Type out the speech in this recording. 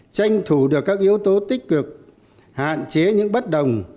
tranh thủ được các yếu tố tích cực hạn chế những bất đồng